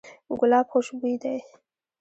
ګلاب خوشبوی دی.